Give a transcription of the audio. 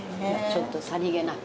ちょっとさりげなく。